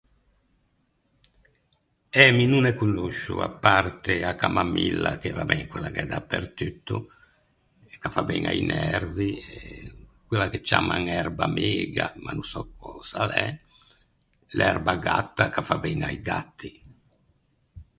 Eh mi no ne conoscio, à parte a camamilla che va ben, quella gh’é dapertutto, ch’a fa ben a-i nervi, e quella che ciamman erba mega, ma no sò cös’a l’é. L’erba gatta, ch’a fa ben a-i gatti.